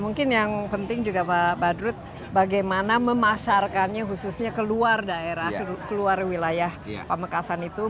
mungkin yang penting juga pak badrut bagaimana memasarkannya khususnya ke luar daerah ke luar wilayah pamekasan itu